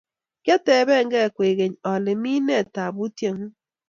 Kiateben gei kwekeny ale mi ne taputie ng'ung'